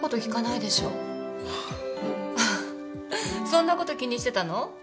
そんなこと気にしてたの？